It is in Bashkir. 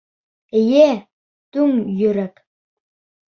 Эйе, туң йөрәк!